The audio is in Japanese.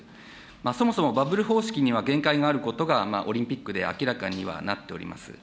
そもそもバブル方式には限界があることが、オリンピックで明らかにはなっております。